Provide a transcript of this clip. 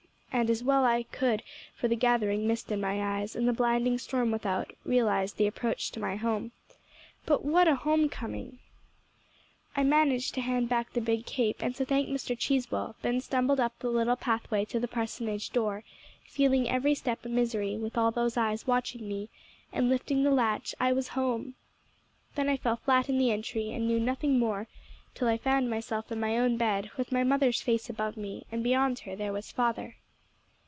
and as well as I could for the gathering mist in my eyes, and the blinding storm without, realized the approach to my home. But what a home coming! "I managed to hand back the big cape, and to thank Mr. Cheesewell, then stumbled up the little pathway to the parsonage door, feeling every step a misery, with all those eyes watching me; and lifting the latch, I was at home! "Then I fell flat in the entry, and knew nothing more till I found myself in my own bed, with my mother's face above me; and beyond her, there was father."